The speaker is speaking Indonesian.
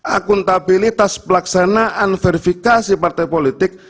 akuntabilitas pelaksanaan verifikasi partai politik